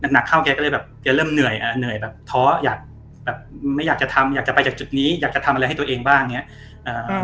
หนักเข้าแกก็เลยแบบแกเริ่มเหนื่อยเหนื่อยแบบท้ออยากแบบไม่อยากจะทำอยากจะไปจากจุดนี้อยากจะทำอะไรให้ตัวเองบ้างอย่างนี้